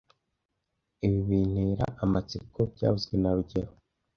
Ibi bintera amatsiko byavuzwe na rugero)